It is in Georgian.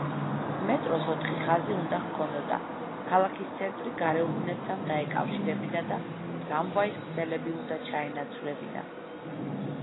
მეტროს ოთხი ხაზი უნდა ჰქონოდა, ქალაქის ცენტრი გარეუბნებთან დაეკავშირებინა და ტრამვაის ქსელები უნდა ჩაენაცვლებინა.